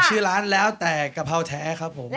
ชื่อร้านแล้วแต่กะเพราแท้ครับผม